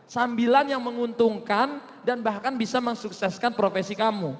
sambilan yang menguntungkan dan bahkan bisa mensukseskan profesi kamu